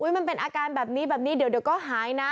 มันเป็นอาการแบบนี้แบบนี้เดี๋ยวก็หายนะ